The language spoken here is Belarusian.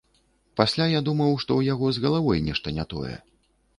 Пасля я думаў, што ў яго з галавой нешта не тое.